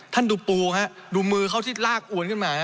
ท่านดูปูฮะดูมือเขาที่ลากอวนขึ้นมา